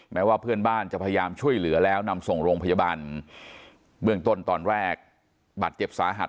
แม้ว่าเพื่อนบ้านจะพยายามช่วยเหลือแล้วนำส่งโรงพยาบาลเบื้องต้นตอนแรกบาดเจ็บสาหัส